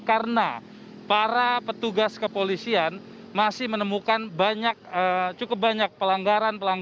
karena para petugas kepolisian masih menemukan cukup banyak pelanggaran